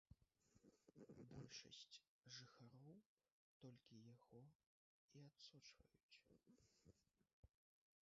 Большасць жыхароў толькі яго і адсочваюць.